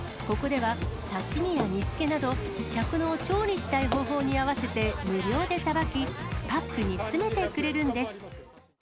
ここでは、刺身や煮つけなど、客の調理したい方法に合わせて、無料でさばき、パックに詰めてくれるんです。